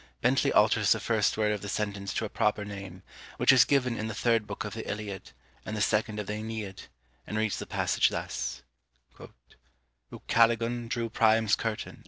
Bentley alters the first word of the sentence to a proper name, which is given in the third book of the Iliad, and the second of the Æneid; and reads the passage thus: " Ucaligon Drew Priam's curtain," &c.!